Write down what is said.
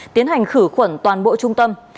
tiến hành khử khuẩn toàn bộ trung tâm